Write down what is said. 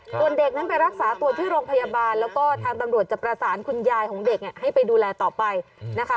ส่วนเด็กนั้นไปรักษาตัวที่โรงพยาบาลแล้วก็ทางตำรวจจะประสานคุณยายของเด็กให้ไปดูแลต่อไปนะคะ